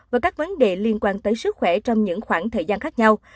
và các vấn đề liên quan tới sức khỏe trong những khoảng thời gian khác nhau